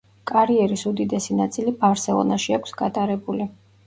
კარიერის უდიდესი ნაწილი „ბარსელონაში“ აქვს გატარებული.